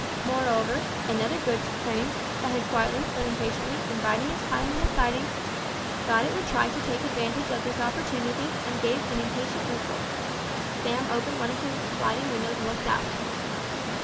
Moreover, another goods train that had quietly, but impatiently, been biding its time in a siding, thought it would try to take advantage of this opportunity, and gave an impatient whistle. Sam opened one of his sliding windows and looked out.